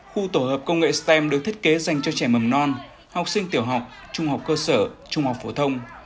khu tổ hợp công nghệ stem được thiết kế dành cho trẻ mầm non học sinh tiểu học trung học cơ sở trung học phổ thông